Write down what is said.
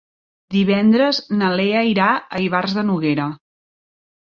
Divendres na Lea irà a Ivars de Noguera.